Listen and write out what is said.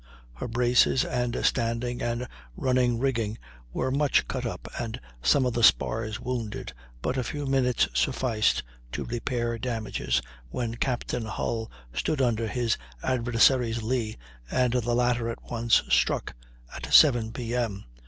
Her braces and standing and running rigging were much cut up and some of the spars wounded, but a few minutes sufficed to repair damages, when Captain Hull stood under his adversary's lee, and the latter at once struck, at 7.00 P. M.